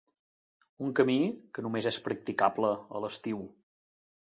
Un camí que només és practicable a l'estiu.